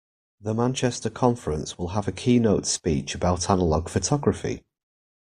The Manchester conference will have a keynote speech about analogue photography.